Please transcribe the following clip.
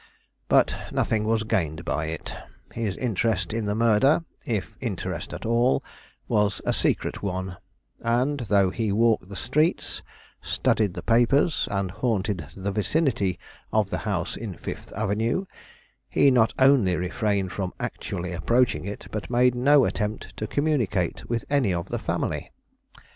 But nothing was gained by it; his interest in the murder, if interest at all, was a secret one; and though he walked the streets, studied the papers, and haunted the vicinity of the house in Fifth Avenue, he not only refrained from actually approaching it, but made no attempt to communicate with any of the family.